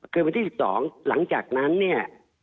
คืนวันที่๑๒หลังจากนั้นเนี่ย